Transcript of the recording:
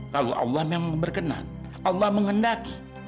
kalau allah memang berkenan allah mengendaki